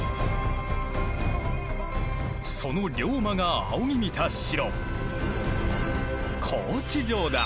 その龍馬が仰ぎ見た城。